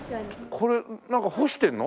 これなんか干してるの？